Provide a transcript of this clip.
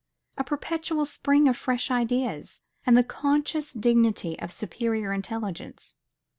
A perpetual spring of fresh ideas; and the conscious dignity of superior intelligence.